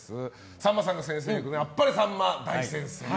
さんまさんが先生役の「あっぱれさんま大先生」。